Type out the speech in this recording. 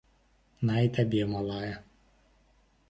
На і табе, малая.